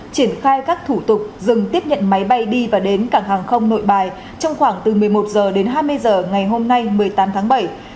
triển khai các thủ tục dừng tiếp nhận máy bay đi và đến cảng hàng không nội bài trong khoảng từ một mươi một h đến hai mươi h ngày hôm nay một mươi tám tháng bảy